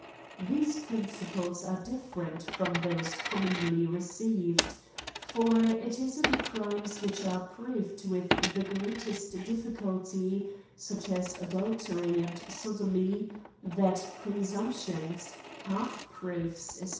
These principles are dif ferent from those commonly received ; for it is in crimes which are proved with the greatest dif ficulty, such as adultery and sodomy, that pre sumptions, half proofs, &c.